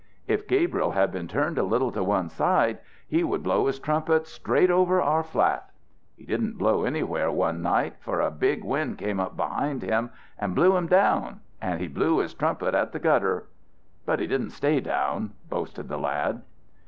If Gabriel had been turned a little to one side, he would blow his trumpet straight over our flat. He didn't blow anywhere one night, for a big wind came up behind him and blew him down and he blew his trumpet at the gutter. But he didn't stay down," boasted the lad.